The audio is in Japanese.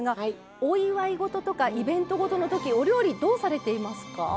お祝い事とかイベント事のときお料理どうされていますか？